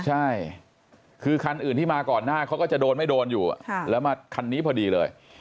ใช่คือคันอื่นที่มาก่อนหน้าเขาก็จะโดนไม่โดนอยู่แล้วมาคันนี้พอดีเลย